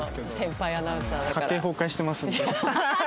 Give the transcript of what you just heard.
家庭崩壊してますんで。